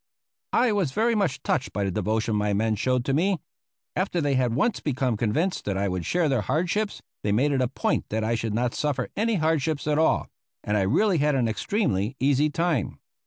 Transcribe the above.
I was very much touched by the devotion my men showed to me. After they had once become convinced that I would share their hardships, they made it a point that I should not suffer any hardships at all; and I really had an extremely easy time.